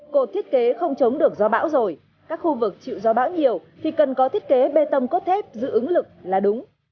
cột thiết kế không chống được do bão rồi các khu vực chịu gió bão nhiều thì cần có thiết kế bê tông cốt thép giữ ứng lực là đúng